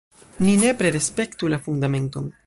Ni nepre respektu la Fundamenton!